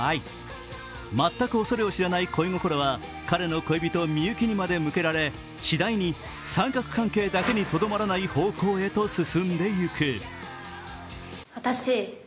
全く恐れを知らない恋心は彼の恋人、みゆきにまで向けられ、次第に三角関係だけにとどまらない方向へと進んでいく。